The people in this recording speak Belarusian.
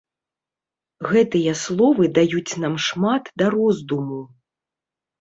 Гэтыя словы даюць нам шмат да роздуму.